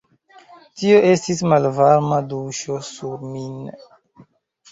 Tio estis malvarma duŝo sur min.